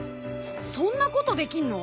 そんなことできんの！？